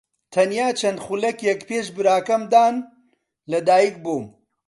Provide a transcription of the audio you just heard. تەنیا چەند خولەکێک پێش براکەم دان لەدایکبووم.